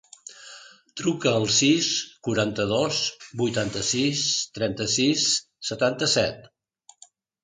Truca al sis, quaranta-dos, vuitanta-sis, trenta-sis, setanta-set.